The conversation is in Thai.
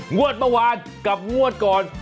งวดประวันกับงวดก่อน